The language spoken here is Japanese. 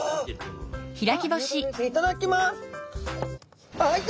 いただきます！